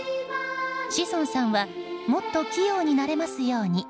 志尊さんは「もっと器用になれますように」。